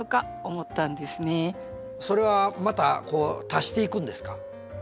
それはまた足していくんですか？